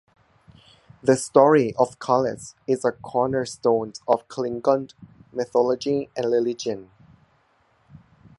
The story of Kahless is a cornerstone of Klingon mythology and religion.